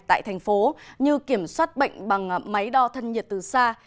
tại thành phố như kiểm soát bệnh bằng máy đo thân nhiệt từ xa